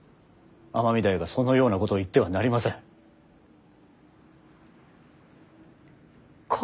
尼御台がそのようなことを言ってはなりません。